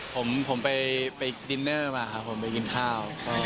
ผมไปดินเนอร์มาครับผมไปกินข้าว